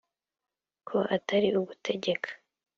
Ko atari ugutegeka